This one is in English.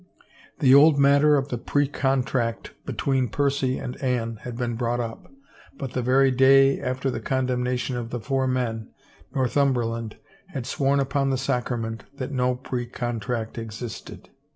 The old matter of the precontract between Percy and Anne had been brought up, but the very day after the con 367 THE FAVOR OF KINGS demnation of the four men Northumberland had sworn upon the sacrament that no precontract existed.